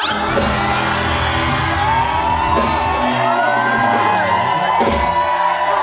หรือทำไมต้องเป็นผีทั้งหมดเลยลูก